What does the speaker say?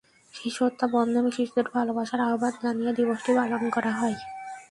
শিশুহত্যা বন্ধ এবং শিশুদের ভালোবাসার আহ্বান জানিয়ে দিবসটি পালন করা হয়।